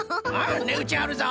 ねうちあるぞ！